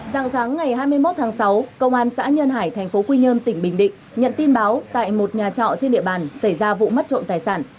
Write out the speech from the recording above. dạng sáng ngày hai mươi một tháng sáu công an xã nhân hải tp quy nhơn tỉnh bình định nhận tin báo tại một nhà trọ trên địa bàn xảy ra vụ mất trộm tài sản